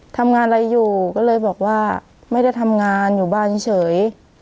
ทำงานอะไรอยู่ก็เลยบอกว่าไม่ได้ทำงานอยู่บ้านเฉย